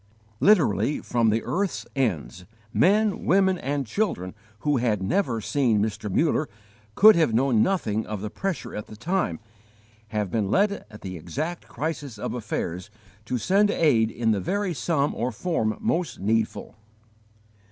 Literally from the earth's ends, men, women, and children who had never seen Mr. Muller and could have known nothing of the pressure at the time, have been led at the exact crisis of affairs to send aid in the very sum or form most needful.